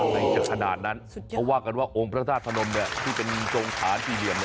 ในจัดขนาดนั้นเพราะว่ากันว่าองค์พระทาสพนมที่เป็นโจมภาคที่เดียว